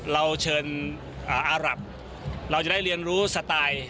เราเชิญอารับเราจะได้เรียนรู้สไตล์